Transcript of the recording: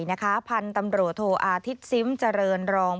นะคะพันธุ์ตำรวจโทอาทิตย์ซิมเจริญรอง